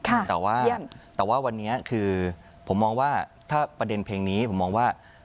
แต่ว่าแต่ว่าวันนี้คือผมมองว่าถ้าประเด็นเพลงนี้ผมมองว่า